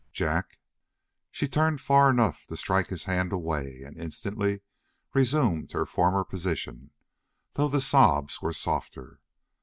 "Jack!" She turned far enough to strike his hand away and instantly resumed her former position, though the sobs were softer.